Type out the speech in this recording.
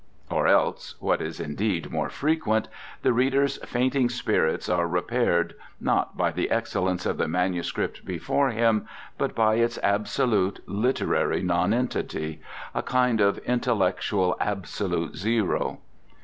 Or else—what is indeed more frequent—the reader's fainting spirits are repaired not by the excellence of the manuscript before him, but by its absolute literary nonentity, a kind of intellectual Absolute Zero.